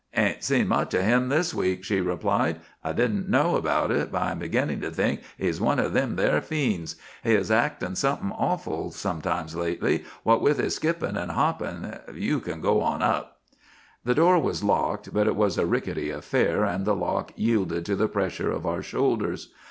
"Ain't seen much of him this week," she replied. "I didn't know about it, but I am beginnin' to think he is one of them there fiends. He is actin' something awful sometimes lately, what with his skippin's and hoppin's. You can go on up." The door was locked, but it was a rickety affair and the lock yielded to the pressure of our shoulders.